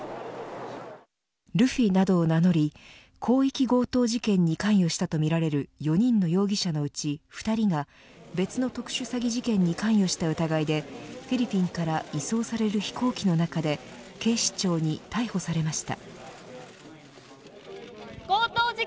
ルフィなどを名乗り広域強盗事件に関与したとみられる４人の容疑者のうち２人が別の特殊詐欺事件に関与した疑いでフィリピンから移送される飛行機の中で警視庁に逮捕されました。